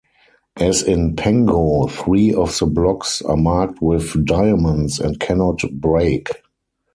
As in "Pengo", three of the blocks are marked with diamonds and cannot break.